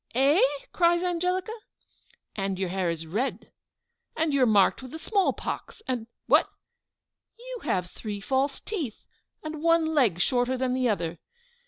"Eh!" cries Angelica. "And your hair is red and you are marked with the small pox and what? you have three false teeth and one leg shorter than the other!"